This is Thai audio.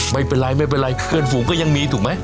ไม่เป็นไรเพื่อนฝูงก็ยังมีถูกไหม